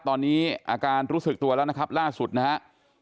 ตอนนี้อาการรู้สึกตัวแล้วนะครับล่าสุดนะครับ